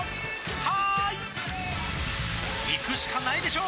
「はーい」いくしかないでしょ！